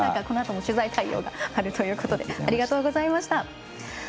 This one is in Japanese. このあとも取材対応があるということでありがとうございました。